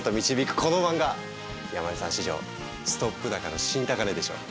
山根さん史上ストップ高の新高値でしょう！